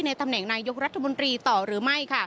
ตำแหน่งนายกรัฐมนตรีต่อหรือไม่